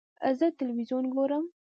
زه تلویزیون ګورم.